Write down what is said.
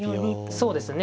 そうですね。